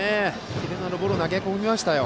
キレのあるボールを投げ込みましたよ。